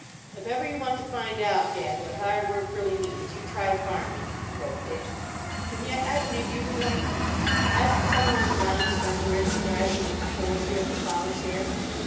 "If ever you want to find out, Dad, what hard work really means, you try farming," wrote Dick; "and yet I believe you would like it. Hasn't some old Johnny somewhere described it as the poetry of the ploughshare?